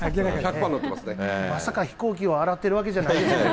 まさか飛行機を洗ってるわけじゃないですよね。